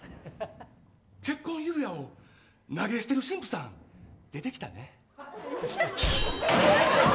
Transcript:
結婚指輪を投げ捨てる神父さん出てきたね。